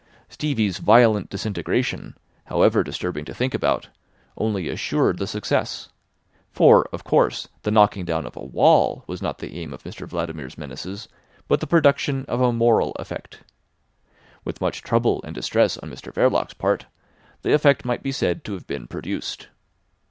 Stevie's violent disintegration, however disturbing to think about, only assured the success; for, of course, the knocking down of a wall was not the aim of Mr Vladimir's menaces, but the production of a moral effect. With much trouble and distress on Mr Verloc's part the effect might be said to have been produced.